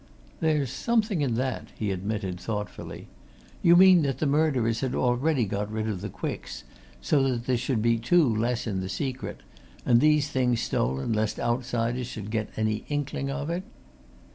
"There's something in that," he admitted thoughtfully. "You mean that the murderers had already got rid of the Quicks so that there should be two less in the secret, and these things stolen lest outsiders should get any inkling of it?"